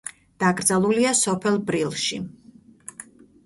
დაკრძალულია სოფელ ბრილში.